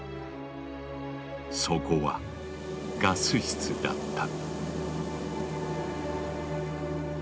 そこはガス室だった。